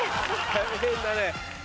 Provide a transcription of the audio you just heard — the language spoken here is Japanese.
大変だね。